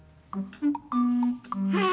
はあ！